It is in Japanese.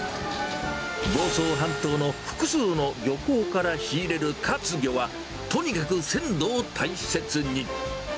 房総半島の複数の漁港から仕入れる活魚は、とにかく鮮度を大切に。